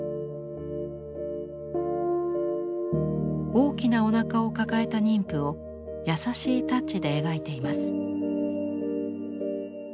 大きなおなかを抱えた妊婦を優しいタッチで描いています。